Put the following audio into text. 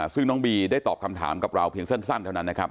ซึ่งน้องบีได้ตอบคำถามกับเราเพียงสั้นเท่านั้นนะครับ